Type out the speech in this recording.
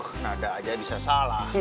tuh nada aja bisa salah